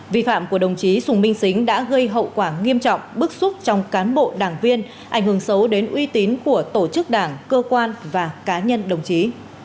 vi phạm của đồng chí sùng minh xính đã gây hậu quả nghiêm trọng bức xúc trong cán bộ đảng viên ảnh hưởng xấu đến uy tín của tổ chức đảng cơ quan và cá nhân đồng chí